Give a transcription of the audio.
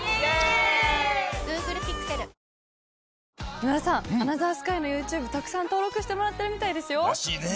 今田さん『アナザースカイ』のＹｏｕＴｕｂｅたくさん登録してもらってるみたいですよ。らしいね。